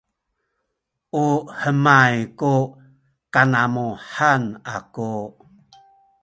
u hemay ku kanamuhan aku